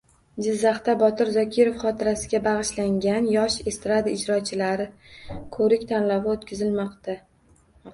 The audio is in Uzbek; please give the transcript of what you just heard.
Jizzaxda Botir Zokirov xotirasiga bag‘ishlangan yosh estrada ijrochilari ko‘rik-tanlovi o‘tkazilmoqda